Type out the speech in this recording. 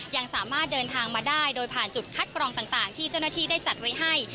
ยังสามารถเดินทางมาได้โดยผ่านจุดคัดกรองต่างที่เจ้าหน้าที่ได้จัดไว้ให้